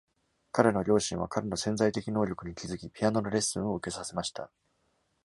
彼の両親は彼の潜在的能力に気づき、ピアノのレッスンを受けさせました。